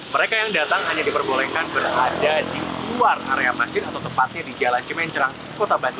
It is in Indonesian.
mereka yang datang hanya diperbolehkan berada di luar area masjid atau tepatnya di jalan cimencerang kota bandung